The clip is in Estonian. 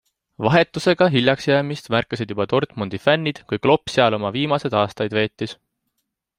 Vahetusega hiljaks jäämist märkasid juba Dortmundi fännid, kui Klopp seal oma viimased aastaid veetis.